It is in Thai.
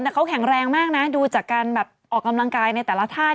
กลัวเข้มกันแข็งแรงมากนะดูจากการออกกำลังกายในแต่ละท่าที่เขาออก